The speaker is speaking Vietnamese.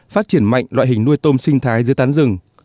phát triển mạnh loại hình nuôi tôm sinh thái dưới tán rừng